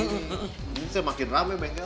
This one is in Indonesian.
mungkin makin rame bengkel